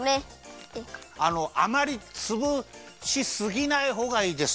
あのあまりつぶしすぎないほうがいいです。